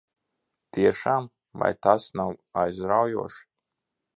Tiešām? Vai tas nav aizraujoši?